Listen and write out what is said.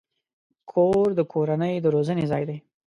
کور د کورنۍ د روزنې ځای دی.